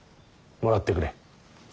もらってくれ。